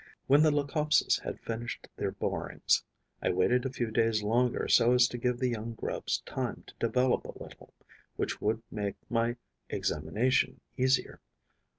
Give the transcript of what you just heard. When the Leucopses had finished their borings, I waited a few days longer so as to give the young grubs time to develop a little, which would make my examination easier.